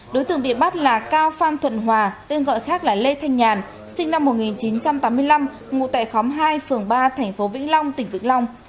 đối tượng bị bắt là cao phan thuận hòa tên gọi khác là lê thanh nhàn sinh năm một nghìn chín trăm tám mươi năm ngụ tại khóm hai phường ba tp vĩnh long tỉnh vĩnh long